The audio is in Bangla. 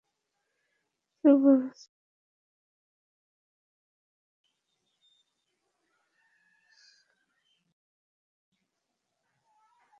তুই বলতিস, সেই একটু সময় আমার কাছে হাজার বছরের চেয়ে বেশি।